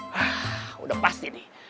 hah udah pasti nih